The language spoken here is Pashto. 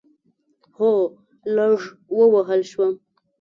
هو، لږ ووهل شوم